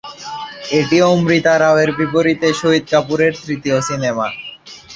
এটি অমৃতা রাওয়ের বিপরীতে শহীদ কাপুরের তৃতীয় সিনেমা।